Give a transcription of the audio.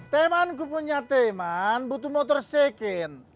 teman kupunya teman butuh motor second